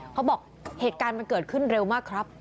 เขาบอกเหตุการณ์มันเกิดขึ้นเร็วมากครับ